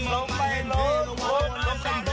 ออกแล้วบอกมันเจอ